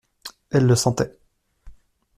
Elle le sentait.